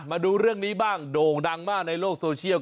มาดูเรื่องนี้บ้างโด่งดังมากในโลกโซเชียล